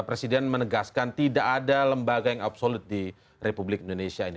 presiden menegaskan tidak ada lembaga yang absolut di republik indonesia ini